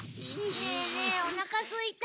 ねぇねぇおなかすいた。